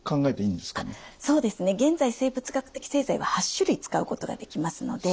そうですね現在生物学的製剤は８種類使うことができますので。